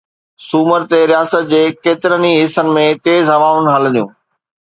سومر تي رياست جي ڪيترن ئي حصن ۾ تيز هوائون هلنديون